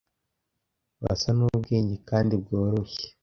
basa n'ubwenge kandi bworoshye